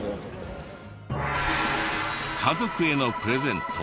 家族へのプレゼント